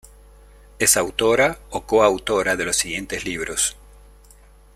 Es autora o coautora de los siguientes libros.